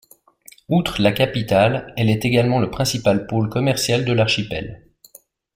Outre la capitale, elle est également le principal pôle commercial de l'archipel.